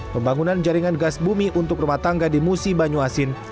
pembangunan jaringan gas bumi untuk rumah tangga di musi banyuasin